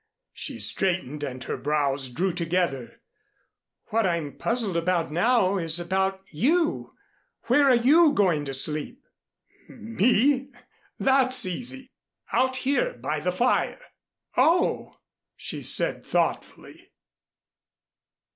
She straightened and her brows drew together. "What I'm puzzled about now is about you. Where are you going to sleep?" "Me? That's easy. Out here by the fire." "Oh!" she said thoughtfully.